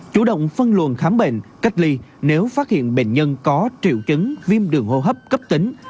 chủ động phân luận khám bệnh cách ly nếu phát hiện bệnh nhân có triệu chứng viêm đường hô hấp cấp tính